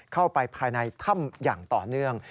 เข้าไปภายในถ้ำอย่างต่อเนื่อง